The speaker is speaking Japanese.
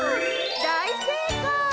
だいせいかい！